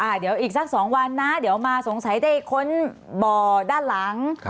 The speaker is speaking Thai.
เดี๋ยวอีกสัก๒วันนะเดี๋ยวมาสงสัยได้ค้นบ่อด้านหลัง